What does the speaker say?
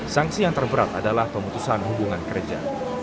sanksi yang terberat adalah pemutusan hubungan kerja